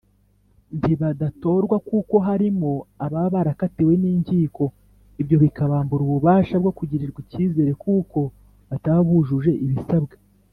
Ntibadatorwa kuko harimo ababa barakatiwe n’inkiko ibyo bikabambura ububasha bwo kugirirwa icyizere kuko bataba bujuje ibisabwa.